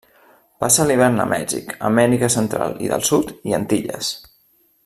Passa l'hivern a Mèxic, Amèrica Central i del Sud i Antilles.